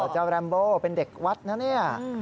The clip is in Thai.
แรมโบเป็นเด็กวัดนะเนี่ย